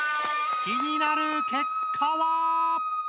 気になる結果は！？